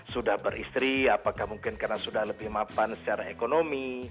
sudah beristri apakah mungkin karena sudah lebih mapan secara ekonomi